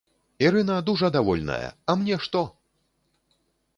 Ірына дужа давольная, а мне што!